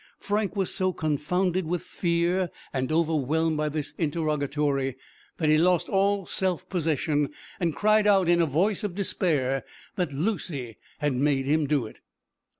Frank was so confounded with fear, and overwhelmed by this interrogatory, that he lost all self possession, and cried out in a voice of despair, that Lucy had made him do it.